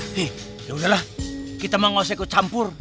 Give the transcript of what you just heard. hei yaudahlah kita mah gak usah ikut campur